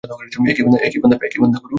একই বান্দা, গুরু!